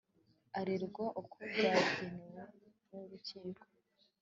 arerwa uko byagenwe n Urukiko